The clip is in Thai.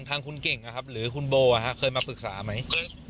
ทางคุณเก่งอ่ะครับหรือคุณโบอ่ะครับเคยมาปรึกษาไหม